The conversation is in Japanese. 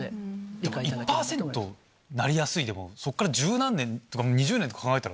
１％なりやすいでもそこから１０何年とか２０年とか考えたら。